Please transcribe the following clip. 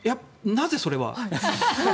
なぜそれは？